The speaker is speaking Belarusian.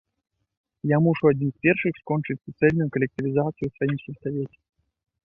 Я мушу адзін з першых скончыць суцэльную калектывізацыю ў сваім сельсавеце!